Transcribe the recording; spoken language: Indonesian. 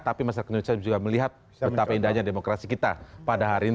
tapi masyarakat indonesia juga melihat betapa indahnya demokrasi kita pada hari ini